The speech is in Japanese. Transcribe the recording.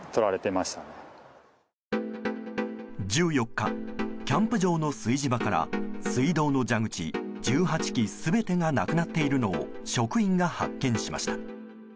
１４日キャンプ場の炊事場から水道の蛇口１８基全てがなくなっているのを職員が発見しました。